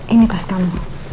ini tas kamu